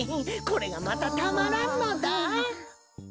これがまたたまらんのだ。